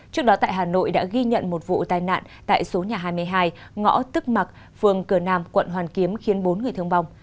trước đó tại hà nội đã ghi nhận một vụ tai nạn tại số nhà hai mươi hai ngõ tức mặc phường cửa nam quận hoàn kiếm khiến bốn người thương vong